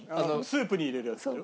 スープに入れるやつでしょ。